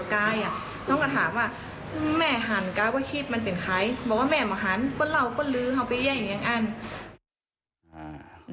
ต้องก็ถามว่าแม่หันกับว่าคิดมันเป็นใครบอกว่าแม่หมาหันพ่อเหล่าพ่อลื้อเขาไปเยี่ยมอย่างยังอั้น